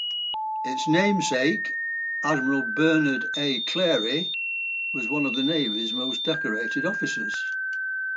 Its namesake, Admiral Bernard A. Clarey, was one of the Navy's most decorated officers.